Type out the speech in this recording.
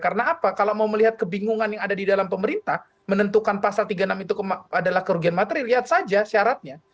karena apa kalau mau melihat kebingungan yang ada di dalam pemerintah menentukan pasal tiga puluh enam itu adalah kerugian material lihat saja syaratnya